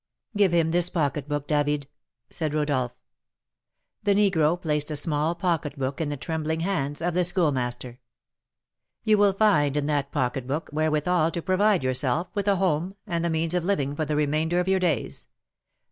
"Give him this pocketbook, David," said Rodolph. The negro placed a small pocketbook in the trembling hands of the Schoolmaster. "You will find in that pocketbook wherewithal to provide yourself with a home and the means of living for the remainder of your days.